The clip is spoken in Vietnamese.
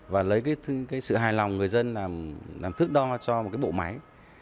và lấy cái sự hài lòng người dân làm thước đo cho một cái bộ máy